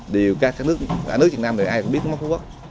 điều các nước việt nam này ai cũng biết là nước mắm phú quốc